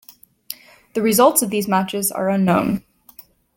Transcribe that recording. The results of these matches are unknown.